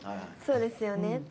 そうですよね。